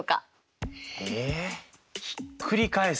えひっくり返すと？